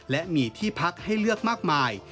และมีที่พักให้เลือกมากมาย